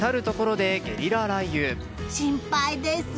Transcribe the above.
心配です。